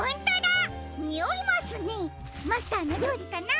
マスターのりょうりかな？